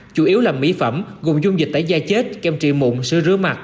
chủ yếu là mỹ phẩm gồm dung dịch tẩy da chết kem trị mụn sữa mặt